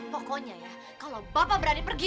pokoknya ya kalau bapak berani pergi